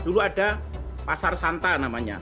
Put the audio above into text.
dulu ada pasar santa namanya